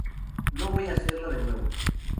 No voy a hacerlo de nuevo.